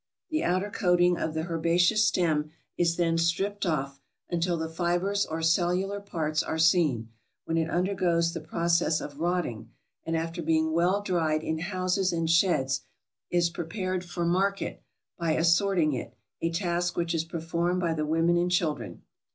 The outer coating of the herbaceous stem is then stripped off, until the fibers or cellular parts are seen, when it undergoes the pro cess of rotting, and after being well dried in houses and sheds, is prepared for market by assorting it, a task which is performed by the women and children.